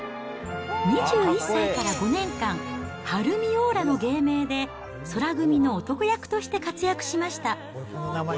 ２１歳から５年間、遥海おおらの芸名で、宙組の男役として活躍しました。